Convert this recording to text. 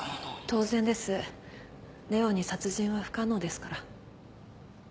当然ですＬＥＯに殺人は不可能ですから。